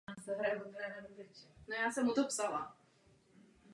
Pane předsedající, ohledně Íránu bych chtěla uvést následující.